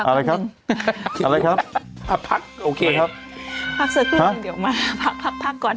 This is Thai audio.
อะไรครับอะไรครับครับพักโอเคอะไรครับพักเสื้อที่นั่นเดี๋ยวมาพักก่อน